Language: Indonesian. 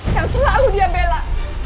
yang selalu dia bela